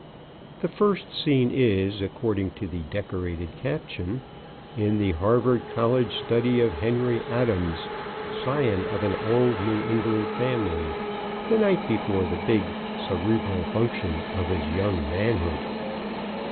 _ The first scene is, according to the decorated caption: "IN THE HARVARD COLLEGE STUDY OF HENRY ADAMS, SCION OF AN OLD NEW ENGLAND FAMILY, THE NIGHT BEFORE THE BIG CEREBRAL FUNCTION OF HIS YOUNG MANHOOD."